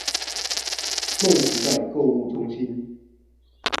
夢時代購物中心